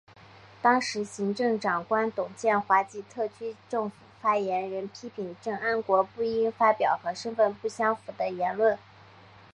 当时行政长官董建华及特区政府发言人批评郑安国不应发表和身份不相符的言论。